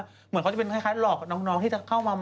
เหมือนเขาจะเป็นคล้ายหลอกน้องที่จะเข้ามา